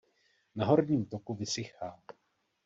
Na horním toku vysychá.